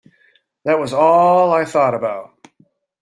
That was all I thought about.